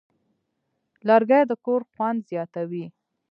لرګی د کور خوند زیاتوي.